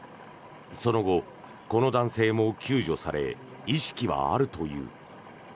その後、この男性も救助され意識はあるという。